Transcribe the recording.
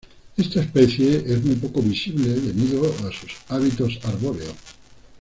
Esta especie es muy poco visible debido a sus hábitos arbóreos.